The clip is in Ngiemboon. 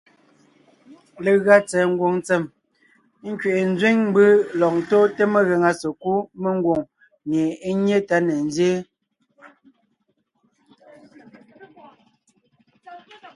Legʉa tsɛ̀ɛ ngwòŋ ntsèm nkẅiʼi nzẅìŋ mbǔ lɔg ntóonte megàŋa sekúd mengwòŋ mie é nyé tá ne nzyéen;